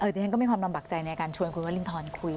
ดิฉันก็มีความลำบากใจในการชวนคุณวรินทรคุย